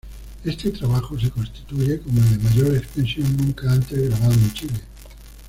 Este trabajo se constituye como el de mayor extensión nunca antes grabado en Chile.